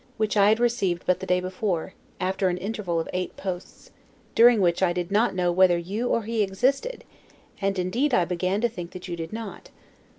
which I had received but the day before, after an interval of eight posts; during which I did not know whether you or he existed, and indeed I began to think that you did not.